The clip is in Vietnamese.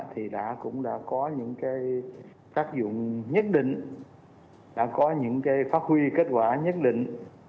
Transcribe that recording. thì đã cũng đã có những cái tác dụng nhất định đã có những cái phát huy kết quả nhất định